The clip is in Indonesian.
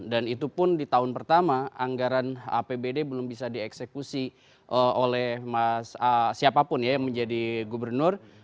dan itu pun di tahun pertama anggaran apbd belum bisa dieksekusi oleh siapapun yang menjadi gubernur